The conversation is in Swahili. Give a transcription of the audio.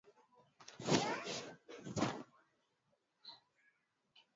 Ongeza maji au maziwa